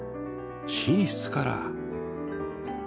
寝室から